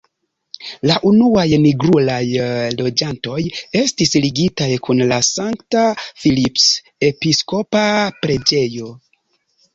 La unuaj nigrulaj loĝantoj estis ligitaj kun la St.-Philips-Episkopa-Preĝejo.